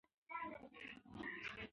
زه له ځورېدلو سره خواخوږي لرم.